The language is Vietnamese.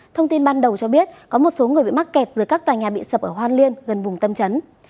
thông tin ban đầu cho biết có một số người bị mắc kẹt giữa các tòa nhà bị sập ở hoan liên gần vùng tâm trấn